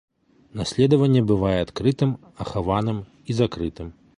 Наследаванне бывае адкрытым, ахаваным і закрытым.